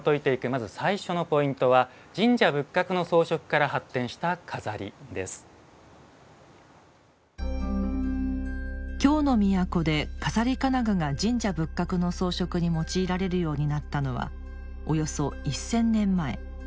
まず最初のポイントは京の都で錺金具が神社仏閣の装飾に用いられるようになったのはおよそ１，０００年前。